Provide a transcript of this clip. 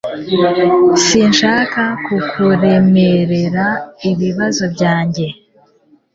Sinshaka kukuremerera ibibazo byanjye.